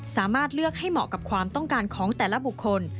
สามารถเลือกให้เหมาะกับความต้องการของแต่ละบุคคล